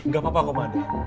gak apa apa kok madem